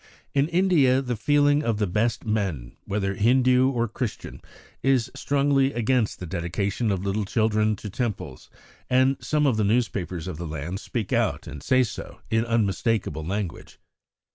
In India the feeling of the best men, whether Hindu or Christian, is strongly against the dedication of little children to Temples, and some of the newspapers of the land speak out and say so in unmistakable language.